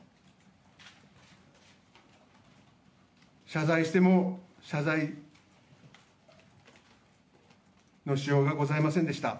謝罪しても、謝罪のしようがございませんでした。